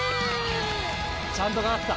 ちゃんと掛かってた